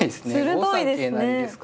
５三桂成ですか。